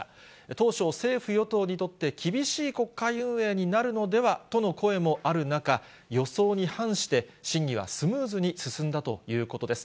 当初、政府・与党にとって厳しい国会運営になるのではとの声もある中、予想に反して審議はスムーズに進んだということです。